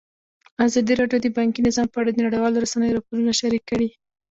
ازادي راډیو د بانکي نظام په اړه د نړیوالو رسنیو راپورونه شریک کړي.